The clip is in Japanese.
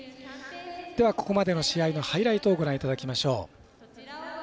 ここまでの試合のハイライトをご覧いただきましょう。